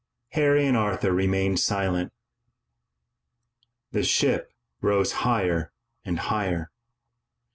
Harry and Arthur remained silent. The ship rose higher and higher.